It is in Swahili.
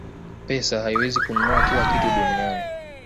pesa haiwezi kununua kila kitu duniani